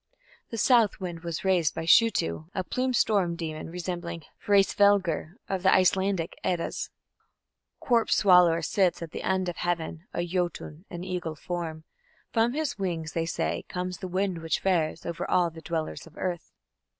The south wind was raised by Shutu, a plumed storm demon resembling Hraesvelgur of the Icelandic Eddas: Corpse swallower sits at the end of heaven, A Jötun in eagle form; From his wings, they say, comes the wind which fares Over all the dwellers of earth.